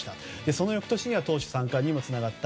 その翌年には投手３冠にもつながった。